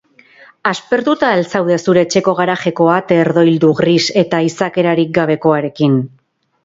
Aspertuta al zaude zure etxeko garajeko ate herdoildu, gris eta izakerarik gabekoarekin?